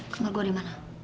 kamar gua di mana